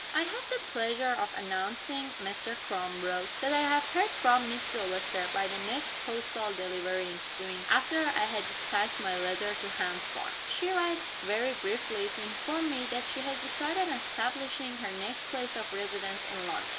"I have the pleasure of announcing" (Mr. Crum wrote) "that I have heard from Miss Silvester, by the next postal delivery ensuing, after I had dispatched my letter to Ham Farm. She writes, very briefly, to inform me that she has decided on establishing her next place of residence in London.